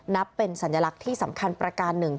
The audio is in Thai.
นับเป็นสัญลักษณ์ที่สำคัญประการหนึ่ง